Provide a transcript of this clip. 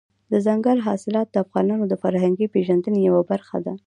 دځنګل حاصلات د افغانانو د فرهنګي پیژندنې یوه برخه ده.